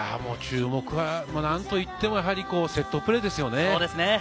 注目はなんといっても、セットプレーですよね。